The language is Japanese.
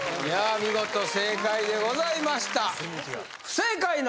見事正解でございました